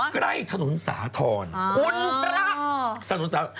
ใกล้ถนนสาธรณ์คุณพระ